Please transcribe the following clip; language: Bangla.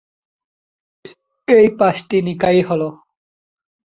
এই পাঁচটি নিকায় হল